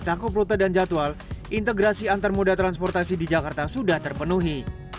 secara fisik maupun layanan yang mencakup rute dan jadwal integrasi antar moda transportasi di jakarta sudah terpenuhi